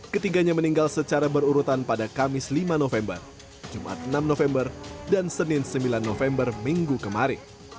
ketiganya meninggal secara berurutan pada kamis lima november jumat enam november dan senin sembilan november minggu kemarin